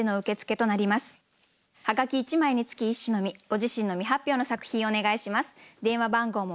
ご自身の未発表の作品をお願いします。